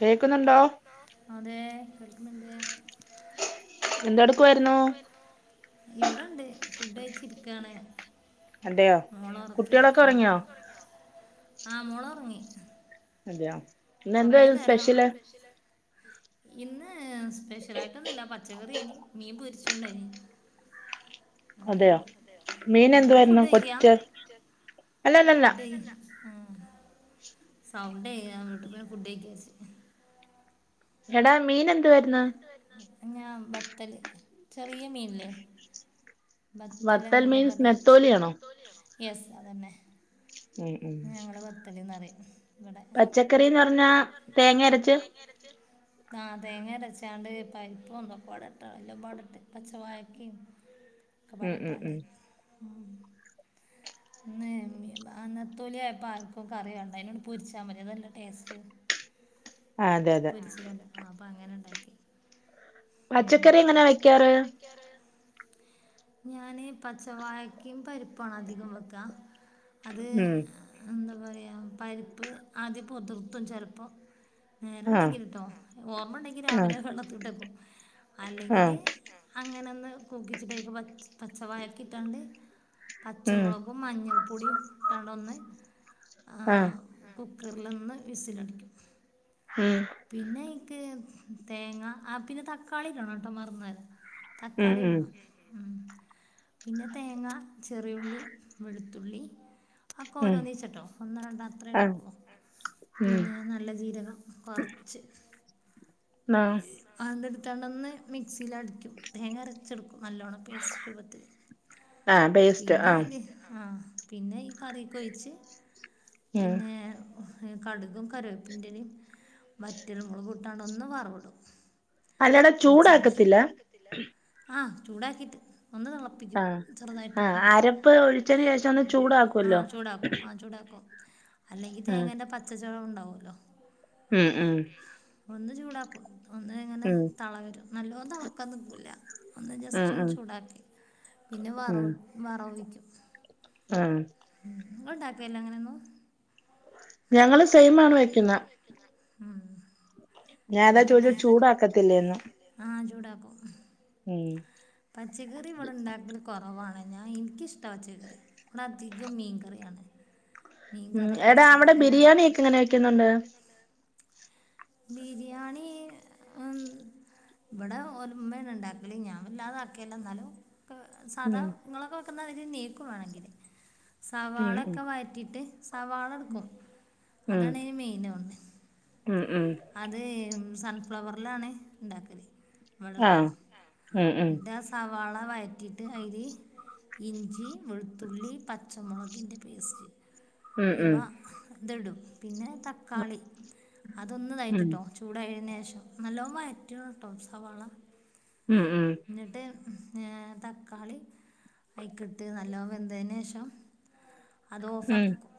കേക്കുന്നുണ്ടോ അതെ [unintelligible] എന്തെടുക്കുവായിരുന്നു ഇവിടെണ്ട് ഫുഡ്‌ കഴച്ചിരിക്കയാണ് അതെയോ മോള ഉറക്കി കുട്ടികളൊക്കെ ഉറങ്ങിയോ ആ് മോളുറങ്ങി അതെയാ കൊറ നേരം ഇന്ന് ന്ന്‌ സപെഷ്യൽ ആയിട്ടൊന്നില്ല പ- പച്ചകറിയായിരുന്നു മീൻ പൊരിച്ചു ന്നെ അതെയോ മീൻ എന്തുവായിരുന്നു കൊച്ച സൗണ്ടേ ൻ വ്ടെ ഫുഡ്‌ കഴിക്കാ എടാ മീൻ എന്ത- എ വരുന്ന- ഞാ ബത്തല് ചെറിയ മീനില്ലേ ബത്തൽ വത്തൽ എന്നല്ലേ മീൻസ് പറയും നെ ത്തോലിയാണോ? യെസ് അതന്നെ ഉം ഉം ഞങ്ങൾ ബത്തൽ എന്നറിയും ഇവിടെ പച്ചക്കറിന്ന് പറഞ്ഞാ പച്ചക്കറീന്ന് പറഞ്ഞ തേങ്ങ അരച്ച് തേങ്ങ അരച്ച ആ തേങ്ങ അരച്ചാണ്ട് പരിപ്പുംഒക്കപ്പാടെഎല്ലാം പാടെ ഇട് പച്ച വായക്കി ഉം ഉം ക്കപാടെട്ട്ക്കാണ്ട് ഉം ന [unintelligible] തോലിയപ്പ ആർക്കും കറിവേണ്ട അതിനോട് പൊരിച്ചാൽ മതി അതല്ല ടേസ്റ്റ് ആ അതെ അതെ പൊരിച്ച്ക്കാണ്ട് ആ അപ്പൊ അങ്ങനെ ഉണ്ടാക്കി പച്ചക്കറി എങ്ങനെയാ വെക്കാറ് ഞാന് പച്ചവായ്ക്കിം പരിപ്പാണ് അധികം വെക്കാ അത് ഉം എന്ത പറ പരിപ്പ് ആദ്യം പൊതിർത്തും ചിലപ്പോ ആ നേരണ്ടെങ്കിൽട്ടോ ഓർമ്മ ഉണ്ടെങ്കിൽ ആ രാവിലെ വെള്ളത്തിട്ടക്കും. ആ അല്ലെങ്കിൽ അങ്ങനെന്ന കൂക്കിച്ചിട്ടയ്ക്ക് പച്ചവായ്ക്കിട്ടാണ്ട്. ഉം പച്ചമുളകും മഞ്ഞൾപ്പൊടിിയും ഇട്ടാണ്ട ഒന്ന് ആഹ കുക്കറിലൊന്ന് വിസിലടിക്കും ഉം പിന്നെ തേങ്ങ ആ പിന്നെ ത കളിക്കണോട്ടോ മറന്നരം ഉം ഉം തക്കാളിടണം ഉം പിന്നെ തേങ്ങ ചെറിയുള്ളി വെളുത്തുള്ളി ഒക്കെ ഉം ഓരോന്നീ ചട്ടോ ഒന്ന രണ്ട അത്രേ ആ എടുക്കുള്ളൂ ഉം പിന്നെ നല്ല ജീരകം കുറച്ച് ആ അ എടുത്താണ്ട ഒന്ന് മിക്സിൽ അടിക്കും തേങ്ങര ചെ നല്ലോണ പേസ്റ്റ് രൂപത്തില്ൽ ആ പേസ്റ്റ് പിന്നെ ആ ആഹ പിന്നെ ഈ കറിയക്കെ ഒഴിച്ച് മ്മ് പിന്നെ കടുകും കരേപ്പിന്റെലയും വറ്റൽമുളകുടും അണ്ട് ഒന്ന് വറ് അല്ലട ചൂടാക്കത്തില്ല ചൂടാക്കിട്ട്. ഒന്ന് തിളപ്പിക്കും ആഹ് ചെറുതായിട്ട് ആഹ് മ് മ് അരപ്പ് ഒഴിച്ചതിന് ശേഷം ഒന്ന് ആ ചൂടാക്കുവല്ലോ ചൂടാക്കും ആ ചൂടാക്കും അല്ലെങ്കിൽ ഉം തേങ്ങന്റെ പച്ച [unintelligible] ഉം ഉം ഒന്ന് ചൂടാക്കും ഒന്ന് ഇങ്ങനെ ഉം തള വരും നല്ലോണം തിളക്കാൻ നിൽക്കില്ല ഒന്ന് ഉം ജസ്റ്റ് ഒന്ന് ഉം ചൂടാക്കി. പിന്നെ ഉം വറവ് വറ വിക്കും. ഉം നിങ്ങൾ ഉണ്ടാക്കലില്ലേ അങ്ങനെയന്നും ഞങ്ങള് സെയിം ആണ് വെക്കുന്ന ഉം. ഞാൻ അതാ അങ്ങനെ തന്നെ ചോദിച്ച ചൂടാക്കത്തില്ലേന്ന്. ആ ചൂടാക്കും. ഉം പച്ചക്കറി ഇവിടെ ഉണ്ടാക്കല് കുറവാ ഞാൻ എനിക്കിഷ്ടം പച്ചക്കറി ഇവിടെ അധികം മീൻ കറിയാണ് മീൻ ഉം കറി എടാ ഇറച്ചി അവിടെ ബിരിയാണി ഒക്കെ എങ്ങനെ വെക്കുന്നുണ്ട്? ബിരിയാണി ഇവിടെ ഒലെ ഉമ്മയാണ്ണ്ണ്ടാക്കല് ഞാൻ വല്ലാതെ ആക്കിയലും എന്നാലും സാധാ ഉം നിങ്ങളൊക്കെ [unintelligible] ഉം ഉം സവാളയൊക്കെ വയറ്റീട്ട് സവാള എടുക്കും ഉം അതാണിതിനു മെയിന് ഉം ഉം അത് സൺഫ്ലവറിലാണ് ഇണ്ടാക്കല് ഇവിടെട്ടോ ആഹ് ഉം ഉം എന്നിട്ടാ സവാള വയ റ്റീട്ട് അയ്ലി ഇഞ്ചി വെളുത്തുള്ളി പ ച്ചമുളകിൻ്റെ പേസ്റ്റ് ഉം ഇവ ഉം ഇതിടും പിന്നെ തക്കാളി അതൊന്ന് ഇതായിട്ടിട്ടോ ചൂടായിന് ശേ ഷം നല്ലോണം വയറ്റണേട്ടോ സവാള. ഉം ഉം എന്നിട്ട് തക്കാളി അഴ്ക്കിട്ട് നല്ലോം വെന്തതിന് ശേഷം അത് ഓഫ് ഉം ഉം ആക്കിക്കോ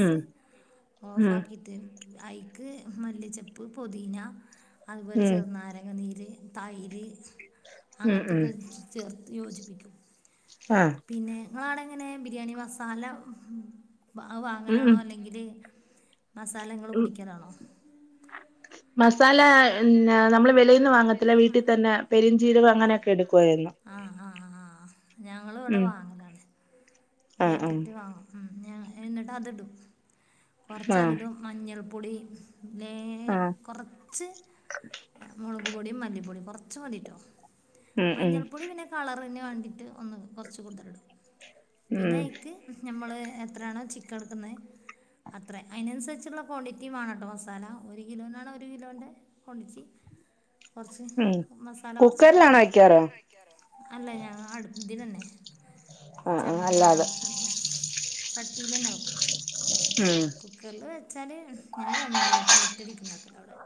ഉം ഓഫ് ആക്കിയിട്ട് ആയി ക്ക് മല്ലിച്ചെപ്പ് പൊതീന അതുപോലെ ഉം ഉം ചെറുനാരങ്ങനീ ര് തൈര് ഉം ഉം അങ്ങത്തൊക്കെ ചേർത്ത് യോജിപ്പിക്കും ആഹ് പിന്നെ ങ്ങളാണെ ങ്ങനെ ബിരിയാണി മസാല വ ഉം വാങ്ങലാണോ ഉം അല്ലെങ്കില് മസാലങ്ങള് പൊടിക്യാ മസാല ന്നല നമ്മള് വെളീന്ന് വാങ്ങത്തില്ല വീട്ടി തന്നെ പെരിഞ്ചീരകം അങ്ങനക്കെടുക്കും ആഹ് ആഹ് ഞങ്ങള് വിടെ ഉം വാങ്ങലാണ് ആഹ് പേക്കറ്റ് ആഹ് വാങ്ങും ഉം ആ എന്നിട്ട് അതിടും ആഹ് കുറച്ചതിടും മഞ്ഞൾ പൊടി വേ ആഹ് കൊറച്ച് മുളക് പൂപൊടീം മല്ലിപ്പൊടീം കൊറച്ച് മതീട്ടോ ഉം ഉം മഞ്ഞൾപ്പൊടി പിന്നെ കളറിന് വാണ്ടീട്ട് ഒന്ന് കൊറച്ച് കൂടുതലിടും ഉം പിന്നെ ഇക്ക് ഞമ്മള് എത്രാണോ ചിക്കൻ എടുക്കുന്നെ അത്രേം അയിനനുസരിച്ച്ള്ള കോണ്ടിറ്റി വാണംട്ടോ മസാലാ ഒരു കിലോനാണോ ഒരു കിലോൻ്റെ ക്വാണ്ടിറ്റി കൊറച്ച് ഉം മസാല കൊറച്ചക്കെ കുക്കറിലാണോ വേണം വെക്കാറ് അല്ല ഞാൻ അടു ഇതി തന്നെ [unintelligible] ആഹ് ആഹ് അല്ലാതെ ചട്ടീ തന്നെ വെക്കും ഉം കുക്കറില് വെ ച്ചാല് ഞാൻ രണ്ടു നേരത്തിന് ഒറ്റ അടിക്ക് ഉണ്ടാക്കുകയാണ് അവടെ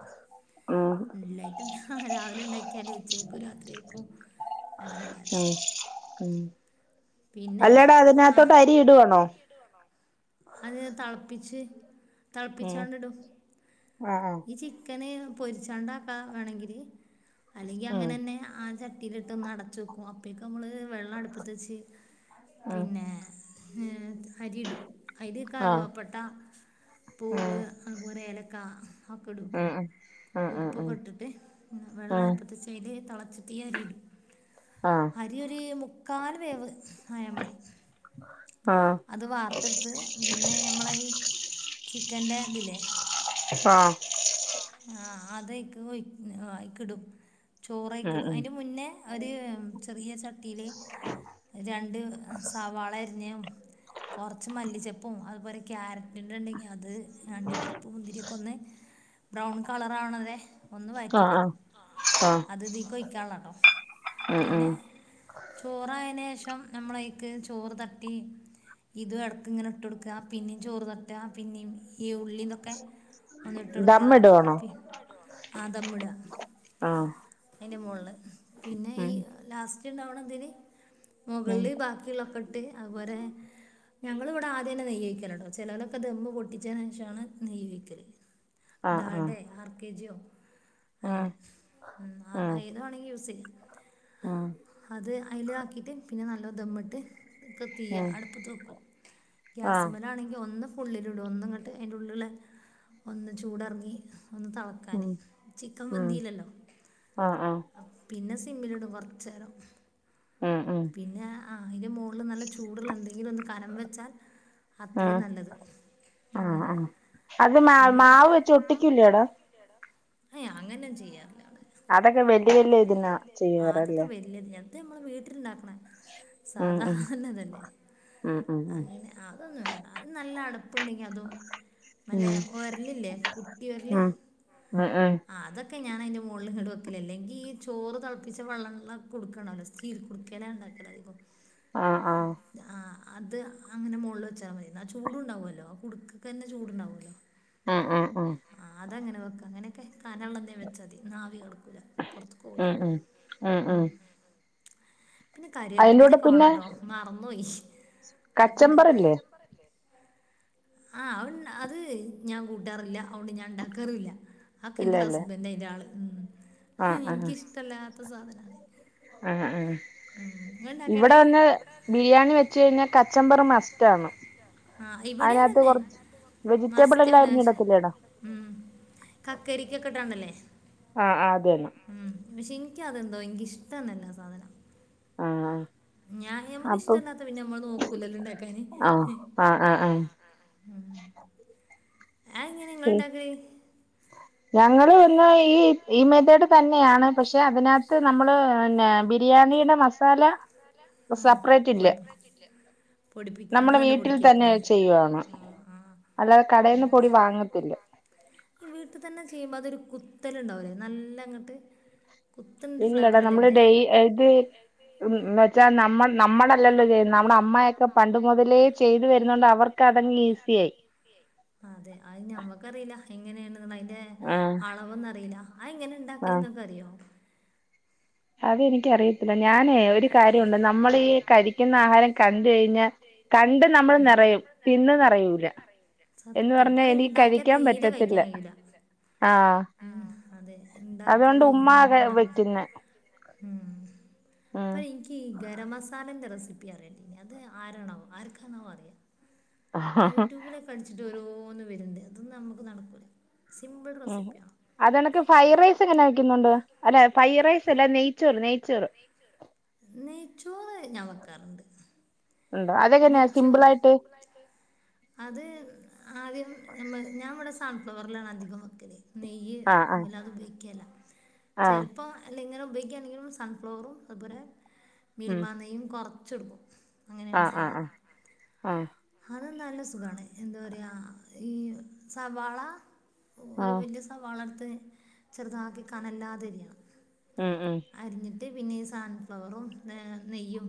ഉം ലൈറ്റെ ഹാ ആ രാവിലെ ണ്ടാക്കിയാല് ഉച്ചയ്ക്കും രാത്രിയേക്കും ഓ [inaudible] ഉം ഉം പിന്നെ അല്ലടാ അതിനകത്തോട്ട് അരി ഇടുവാണോ അത് [inaudible] അടുപ്പിച്ച ഉം തിളപ്പിച്ചോണ്ടിടും ആഹ് ആഹ് ഈ ചിക്കന പൊരിച്ചാണ്ടാക്കാ വേണമെങ്കില് അല്ലെങ്കിൽ ഉം അങ്ങനെ തന്നെ ആ ചക് ട്ടിയിലിട്ട് ഒന്നടച്ച് വയ്ക്കും അപ്പോഴേക്ക് നമ്മള് വെള്ളം അടുപ്പത്ത് വച്ച് ഉം പിന്നെ ആ അരിടും അയില് ആഹ് കറവപ്പട്ട പൂവ് അതുപോലെ ഏലക് [unintelligible] ആഒക്കെ ഇടും ട്ടോ ഉം ഉം ഉം ഉം ഉം ഉം ഉപ്പൊക്കെ ഇട്ടിട്ട് വെള്ളം ഉം അടുപ്പത്ത് വെച്ചയില് തെള അപ്പത്തേയരിടും ആഹ് അരിയൊര് മുക്കാ കാൽ വേവ് ആയാ മതി ആഹ് അത് വാർത്തെടുത്ത് പിന്നെ ഞമ്മളെ ഈ ചിക്കന്റെ ഇതില്ലേ ആഹ് ആഹ് അതയിക്ക് ഒയി അയിക്കിടും ഉം ചോറയ്ക്കിടും ഉം അതിൻ്റെ മുന്നേ ഒരു ചെറിയ ചട്ടിയിൽ രണ്ട് സവാള അരിഞ്ഞ് കൊറച്ച് മല്ലി ചപ്പ് ഉപ്പും അതുപോലെ ക്യാരറ്റിൻ്റെണ്ടെങ്കി അ അത് അണ്ടി പരിപ്പുംമുന്തിരിയൊക്കെ ഒന്ന് ബ്രൗൺ കളറാവണ വരെ ഒന്ന് ആഹ് ആഹ് വയറ്റിയെടുക്കണം ആഹ് അത് ഇതീക്ക് ഒയി ക്കാനുള്ളയാട്ടോ ഉം ഉം പിന്നെ ചോറായേന് ശേഷ് ഷം നമ്മളയ്ക്ക് ചോറ് തട്ടി ഇതും ഇടക്ക് ഇങ്ങനെ ഇട്ട് കൊടുക്കുക പിന്നെയും ചോറ് തട്ടുക പിന്നെയും ഈ ഉള്ളീതൊക്കെ ഒന്നിട്ട് കൊടുക്കുക ദമ്മിടുവാണോ പി ആഹ് ദമ്മിട ആഹ് അതിൻ്റെ മോളില് പിന്നെ ഈ ഉം ലാസ്റ്റ് ണ്ടാവണതിന് ഉം മുകളില് ബാക്കിയുള്ള ഒക്കെ ഇട് ട്ട് അതുപോലെ ഞങ്ങൾ ഇവിടെ ആദ്യം തന്നെ നെയ്യഴിക്കലാട്ടോ ചിലരൊക്കെ ദെമ്മ് പൊട്ടിച്ചതിന് ശേഷമാണ് നെയ്യൊഴിക്കല് ആഹ് ഡാൽഡേ ആർ കെ ജിയോ ആഹ് അങ്ങനെ ഉം അ ഏത് വേണമെങ്കിലും യൂസ് ചെയ്യാം ഉം അത് അയിലാക്കിയിട്ട് പിന്നെ നല്ലോം ധമ്മിട്ട് ഇെ [inaudible] തീ ഉം ഉം ഉം അടുപ്പത്ത് വെക്കും ഗ്യാസിൻമേൽ ആണെങ്കിൽ ഒന്ന് ഫുള്ളിലൂടെ ഒന്നുംങ്ങട്ട് അന്റെറെ ഉള്ളില ഒ ചൂടറങ്ങി ഒന്ന് ളക്കാനൻ ചിക്കൻ പന്തിയിലല്ലോ ആഹ് പിന്നെ സിമ്മി ലിടുംകുറച്ചേരം ഉം ഉം ആഹ് ആഹ് ഉം ഉം പിന്നെ അതിന്റെ മുകളില് നല്ല ചൂടുള്ള എന്തെങ്കിലും ഒന്ന് കനം വെച്ചാൽ ഉ അത്രയും നല്ലത് ആ അങ്ങനെ ആ അത് മാ പിന്നെ മാവ് വെച്ച് ഒട്ടിക്കൂല ടൊ ങ് അങ്ങനൊന്നും ചെയ്യാറില്ല അതൊക്കെ വ- ഇല്ലേ ഇതിനാ ചെയ്യാറല്ലേ ഇത്ത് നമ്മള് വീട്ടിലിണ്ടാക്ക- ഉം ഉം സാധാരണ തന്നെ ഉം ഉം ഉം അങ്ങനെ അതൊന്നും വേണ്ട അത് നല്ല അടപ്പ് അടപ്പുണ്ടെങ്കിൽ അതും നല്ല ഉം ഉരലില്ലേ കുട്ട്യരൊല് ഉം ഉം ഉം അതൊക്കെ ഒക്കെ ഞൻ അതിൻ്റെ മുകളിലങ്കട് വെല്ക്കലല്ലേ ഈ ചോറ് തിളപ്പിച്ച വെള്ളം കൊടുക്കണമല്ലോ സ്റ്റീൽ കുടുക്കേല ഉണ്ടാക്കല് അധികം ആ ആ അത് അങ്ങനെ മോളിൽ വെച്ചാൽ മതി ഇന്നാ ആ ചൂടുണ്ടാവുമല്ലോ ആ കുടുകക്ക് തന്നെ ചൂടുണ്ടാവുമല്ലോ ഉം ഉം ഉ അതങ്ങനെ വെക്ക അങ്ങനെക്കെ കനുള്ളന്തേലും വെച്ചാൽ മതി ഇന്നാ ആവി കടക്കൂല്ല പുറത്ത് ഉം ഉം ഉം ഉം പിന്നെ അയിന്റെ കറിവേപ്പിന്റെ കൂടെ ഇലക്കെ പിന്നെ വേണം ട്ടാ മറന്ന് പോയി. അതൊക്കെണ്ട് കച്ചമ്പറില്ലേ ആ അവ അത് ഞാൻ കൂട്ടാറില്ല അതൊണ്ട് ഞാൻ ഉണ്ടാക്കാറും ഇല്ല അതൊക്കെ എന്റെ ഇല്ലല്ലേ ഹസ്ബൻ്റാ അതിൻ്റെ ആള് എനിക്കിഷ്ടല്ല പ [inaudible] സാധനമാണ് ആ നിങ്ങൾ ഇവിടെ ഉണ്ടാക്കേണ്ടത് വന്ന് ബിരിയാണി വെച്ച കഴിഞ്ഞാൽ കച്ചമ്പറ മസ്റ്റ് ആണ് ആ ഇവിടെയും അത് തന്നെ വെജിറ്റബിൾ എല്ലാം അരിഞ്ഞിടത്തില്ലേടാ [unintelligible] [unintelligible] ല്ലേ ആ ആ അതന്നെ പക്ഷെ എനിക്കതെന്തോ എനിക്ക് ഇഷ്ടോന്നല്ല ആ സാധനം. ആഹ് ഞാൻ അപ്പം മ്മക്കകിഷ്ടല്ലാത്ത പിന്നെ നമ്മള് നോക്കൂലല്ലോ ഉണ്ടാക്കാന്.. ആ ആ ആ ഇങ്ങനെ നിങ്ങൾ ഉണ്ടാക്കല് ഞങ്ങള് ഈ ഈ മേതേട് തന്നെയാണ് പശെ അതിനാത്ത് നമ്മള് പിന്നെ ബിരിയാണിടെ മസാല ആ സെപ്പെറേറ്റ് ഇല്ല പൊടി പൊടിപ്പി നിങ്ങൾ നമ്മടെ തന്നെ നമ്മളെ വീട്ടിൽ തന്നെ പൊടിക്കേക്കില്ലേ ചെയ്യുവാണ് ആ ആ അല്ലാതെ കടേന്ന് പൊടി വാങ്ങത്തില്ല ഈ വീട്ടി തന്നെ ചെയ്യുമ്പൊ അതൊര് കുത്തല് ഉണ്ടാവല്ലേ നല്ലാങ്ങോട്ട് ഇല്ലടാ നമ്മള് ഡെ അത് മെ മ്മ നമ്മളല്ല നമ്മ അമ്മയൊക്കെ പണ്ട് അമ്മയൊക്കെ മുതലേ പണ്ട് ചെയ്തു മുതലേ വരുന്നോണ്ട് അവർക്ക് ചെയ്തുവരുന്നോണ്ട് അതങ്ങ് അവർക്ക് അതൊക്കെ ഈസിയായി ഈസിയാഴി അതെ അഹ് നമ്മക്കറീല അയ്ന്റെ ആഹ് അളവോന്നും അറീല അഹ് എങ്ങനെ ഇണ്ടാക്കല് ഇങ്ങക്ക് അറിയോ അതെ ടീ ക്ക് അറിയത്തില്ല ഞാനേ ഒരു കാര്യവുണ്ട് നമ്മളീ കരിക്കുന്ന ആഹാരം കണ്ട് കഴിഞ്ഞാൽ കണ്ട് നമ്മൾ നെറയും തിന്ന് നെറയൂല എന്ന് സത്യം പറഞ്ഞാ അത് എനി ഉണ്ടാക്കിയാൽ കഴിക്കാൻ തീരെ പറ്റത്തില്ല കഴിക്കാൻ കഴിയൂല ആ ഉം അതെ അതുകൊണ്ട് ഉണ്ടാക്കിയാലേ ഉമ്മാകെ വെക്ക്ന്നെ ഉം പ്പ ഇൻക്ക് ഗരം മസാലന്റെ റെസി പ്പി [unintelligible] അത് ആരാണാവോ ആർക്കാന്നോവ അറിയാ യൂട്യൂബിലൊക്കെ അട്ച്ചിട്ട് ഓരോ ഒന്ന് വര്ണ്ട് അതൊന്നും നമ്മക്ക് നടക്കൂല ഹ് അതെനക്ക് ഫ്രൈറൈസ് എങ്ങനെ വെക്കുന്നുണ്ടോ അല്ലെ ഫൈറൈസ് അല്ല നെയ്ച്ചോറ് നെയ് നെയ്ച്ചോർ നെയ്ച്ചോർ നെയ്ച്ചോറ് ഞാൻ വെക്കാറ്ണ്ട് ഉണ്ടോ അതെങ്ങനെയാ നെയ്ചോ സിമ്പിൾ ആയിട്ട് അത് ആദ്യം ഞാൻ ഇവി സാൺഫ്ളവർലാണ് അധികം വെക്കല് നെയ്യ് ആ ആ വല്ലാതെ [unintelligible] ആ ചെലപ്പോ അല്ലെങ്ങെലും [unintelligible] സൺഫ്ലവറും അതുപോലെ ഉം മിൽമാ നെയ്യും കൊർ [unintelligible] ആ ആ ആ ആ അത് നല്ല സുഖാണ് എന്ത് പറയാ ഈ സവാള ആ ഒരു വല്യ സവാളട്ത്ത് അത് ചെറുതാക്കി കനല്ലാതെ ഉം ഉം ത് പിന്നെ ഈ സൺഫ്ലവറും നെയ്യും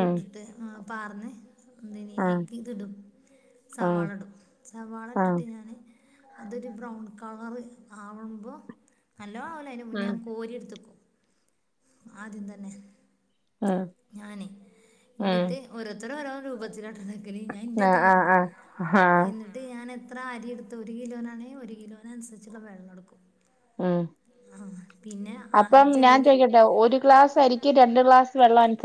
ഉം പാർന്ന് ആ അയ്ക്ക് ഇത് ഇടും ആ സവാള ഇടും സവാള ആ ഇട്ടിട്ട് ഞാന് അതൊരു ബ്രൗൺ കളർ ആവുമ്പോ നല്ലോ ആവ്ണേന്റെ മുന്നേ ഉം ഞാൻ കോരി എടുത്തെക്കും ആദ്യം തന്നെ- ഉം ഞാനേ ഉം ഇന്നിട്ട് ഓരോരുത്തര് ഓരോ രൂപത്തില ങ്ങനെ ഞാൻ ഇന്റെ ഇതാ പറയ്ണേ ആ ആ എന്നിട്ട് ഞാൻ എത്ര അരിയെടുത്തു ഒരു കിലോനാണെങ്കിൽ ഒരു കിലോനന്നുസരിച്ചുള്ള വെള്ളം എടുക്കും ഉം ആഹ് പിന്നെ ആ അപ്പം ഞാൻ ചിലർ ചോയിക്കട്ടെ ഒരു ഗ്ലാസ് അരിക്ക് രണ്ട് ഗ്ലാസ് വെ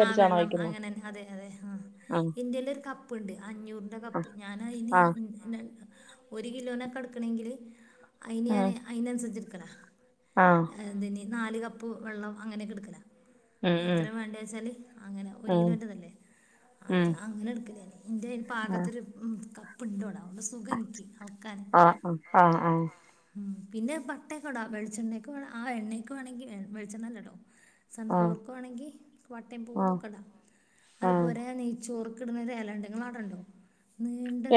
ആ വെള്ളം അങ്ങനെന്നെ അതെ അതെ ആ ആഹ് ഇന്റെല് ഒരു കപ് പ്പ്ണ്ട്- അഞ്ഞൂറിന്റെ കപ്പ് ആഹ് ഞാൻ അയിന് ഒരു കിലോനൊക്കെടുക്കണെങ്കില് അയിന് ഞാന് ആഹ് അയിനനുസരിച്ചിട് ക്കനാ ആഹ് ആഹ് ഞാ എന്തിനി ഇനി നാല് കപ്പ് വെള്ളം അങ്ങനെയൊക്കെടുക്കലാ ഉം എത്രെ വേണ്ടേച് ച്ചാല് അങ്ങനെ ഒരു ഉം ഉം കിലോന്റതല്ലേ ആ ഉം ജ് അങ്ങനെ ടുക്കല്ലേ ല്ലത് ൻ്റെ ഒരു ആഹ് പാകത്തൊരു ഉം ക പ്പ്ഡോണ അതോണ്ട് സുഖനിക്ക് നോക്കാൻ ആഹ് ആഹ് ആഹ് ഉം പിന്നെ പട്ടയൊക്കെ ഇടാ വെളിച്ചെണ്ണയ്ക് വേണേ ആ എണ്ണേക്ക് വേണെങ്കിൽ വെളിച്ചെണ്ണ അല്ല ട്ടോ ആഹ് സൺഫ്ലവർക് വേണെങ്കി പട്ടേ മ്പൂവും ആഹ് ആഹ് ഇതൊക്കെടാ അത് ആഹ് പോലെ നെയ് ചോറ്ക്കിട്ണ ഒര് എല ഇണ്ട് നിങ്ങളടെണ്ടോ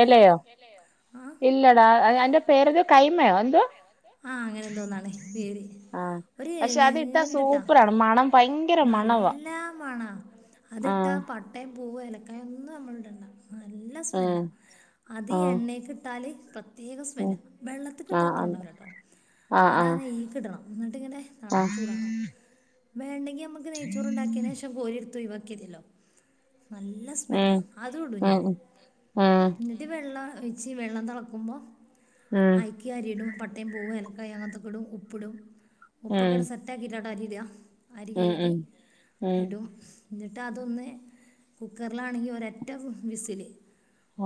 എലയോ ആഹ് ഇല്ലടാ ഐന്റെ പേരൊരു കൈമയോ എന്തോ ആഹ് അങ്ങനെ എന്തോന്നാണ് പേര് ആ ഒരു പക്ഷെ അത് ഇട്ടാ നീണ്ടിട്ടാ സൂപ്പറാണ് മണം ഭയങ്കര മണവാ ല്ലാ മണാ അതിട്ടാ ആഹ് പട്ടേം പൂവ് എലക്കായ ഒന്നും നമ്മള് ഇടണ്ട നല്ല ഉം സ്മെല്ലാ അത് ഉം എണ്ണേക്ക് ഇട്ടാല് പ്രത്യേക സ്മെല്ല ഉം വെള്ളത്ത് ക്ക്ട്ടാ ആഹ് അത്ര ഉണ്ടാവൂല്ല ട്ടോ ആഹ് അതാ ആഹ് നെയ്ക്ക്ടണം എന്നിട്ട്ങ്ങനെ [unintelligible] ആഹ് ചൂടാണം വേണ്ടങ്കിൽ അമ്മ ചോറ് ഉണ്ടാക്കിയെന് ശേഷം കോരി ട്തു ഒയിവാക്ക്യത്യല്ലോ നല്ല സ്മെല്ലാ ഉം അത് ഇടും ഉം ഞാൻ ഉം ഉം എന്നിട്ട് വെള്ളം ഒഴിച്ച് വെള്ളം തെളക്കുമ്പോ ഉം ഐക് അരിയിടും പട്ടയും പൂവും ഇലക്കായും അങ്ങൻത്തൊക്കിടും ഉപ്പിടും ഉപ്പ്കെട് ഉം സെറ്റാക്കിയിട്ട ട്ടരിട അരി ഉം കഴുകി ഉം ഉം ഇടും എന്നിട്ട് അതൊന്ന് കുക്കറിലാണെങ്കി ഒരൊറ്റ വിസില്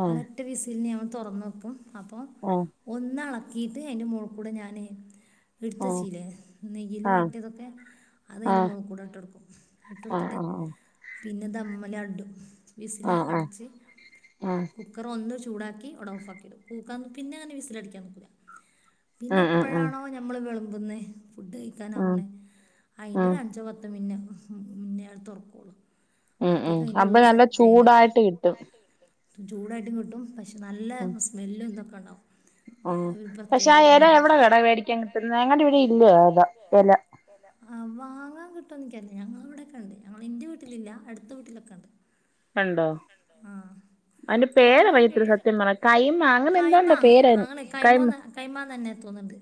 ആഹ് ഒരറ്റ വിസിൽന് ഞ തൊറന്ന് വെക്കും അപ്പം ആഹ് ഒന്ന് അള ക്കീട്ട് അയ്ന്റെ മോള്ക്കൂടെ ഞാന് ആഹ് എടുത്തച്ചീലെ നെയ്യിൽ ആഹ് വാട്ടിയതൊക്കെ അതയിന്റെ ആഹ് മോള്കൂടെ ഇട്ടൊടുക്കും ഇട്ടൊട്ത്തിട്ട് ആഹ് പിന്നെ ദമ്മല് ആൻടും വിസിൽ ആഹ് അടച്ച് ആഹ് കുക്കർ ഒന്ന് ചു ചൂടാക്കി അവ്ട ഓഫാക്കിടും കൂക്കാ പിന്നെ അങ്ങനെ വിസിലടിക്കാൻ നിക്കൂല്ല ആഹ് ആഹ് പിന്നെ ഉം ഉം ഉം എപ്പഴാണോ ഞമ്മള് വിള മ്പുന്നേ ഫുഡ് ഉം കയിക്കാനാവുന്നെ ഉം അയിന്റോരഞ്ചോ പത്ത് മിന്നെ മുന്നേ അയാള് തൊറക്കൊള്ളൂ ഉം ഉം അപ്പൊ നല്ല ചൂടായിട്ട് കിട്ടും ചൂടായിട്ടും കിട്ടും പക്ഷെ നല്ല സ്മെല്ലുംതൊക് മണോം മ് പക്ഷെ ആ എല എവിടെ കട മേടിക്കാൻ കിട്ടുന്നെ ഞങ്ങടിവിടെ ഇല്ല അതാ എല ആ വാങ്ങാൻ കിട്ടോന്നിക്കറീല്ല ഞങ്ങളെവിടൊക്കെണ്ട് ഞങ്ങ എന്റെ വീട്ടിലില്ല അടുത്ത വീട്ടിലൊക്കെണ്ട് ഉണ്ടോ അയ്ന്റെ വാങ്ങാൻ പേരറിയത്തില്ല സത്യം പറഞ്ഞ കൈമ അങ്ങനെ കൈമ എന്താണ്ടോ പേരാ അങ്ങനെ കൈ കൈമ മ കൈമ തന്നെ തോന്നുന്നുണ്ട്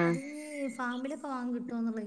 ആ വാങ്ങാൻ കിട്ടും തോന്ന്ണ്